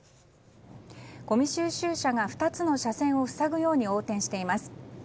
ごみ収集車が２つの車線を塞ぐように横転しています。